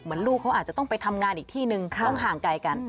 ลูกเขาอาจจะต้องไปทำงานอีกที่นึงต้องห่างไกลกัน